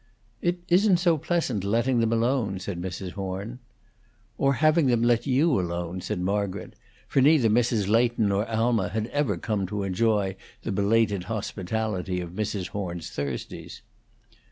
"It isn't so pleasant, letting them alone," said Mrs. Horn. "Or having them let you alone," said Margaret; for neither Mrs. Leighton nor Alma had ever come to enjoy the belated hospitality of Mrs. Horn's Thursdays.